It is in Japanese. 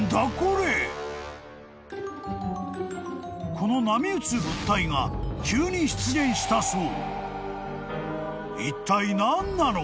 ［この波打つ物体が急に出現したそう］